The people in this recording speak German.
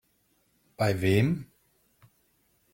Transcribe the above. Bei wem?